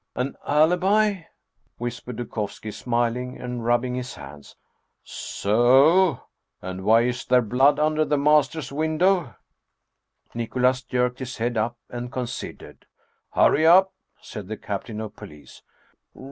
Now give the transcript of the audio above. " An alibi !" whispered Dukovski, smiling, and rubbing his hands. " So o ! And why is there blood under the master's window ?" 164 Anton Chekhoff Nicholas jerked his head up and considered. " Hurry up !" said the Captain of Police.